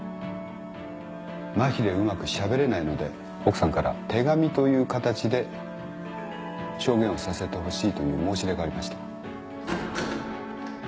まひでうまくしゃべれないので奥さんから手紙という形で証言をさせてほしいという申し出がありました。